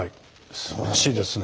すばらしいですね。